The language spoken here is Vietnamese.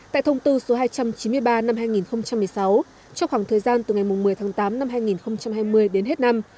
tại thông tư số hai trăm chín mươi ba năm hai nghìn một mươi sáu trong khoảng thời gian từ ngày một mươi tháng tám năm hai nghìn hai mươi đến hết năm